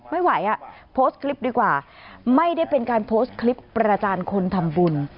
ไม่ไหวอ่ะโพสต์คลิปดีกว่าไม่ได้เป็นการโพสต์คลิปประจานคนทำบุญ